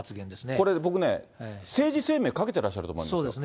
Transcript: これ僕ね、政治生命かけてらっしゃると思いますよ。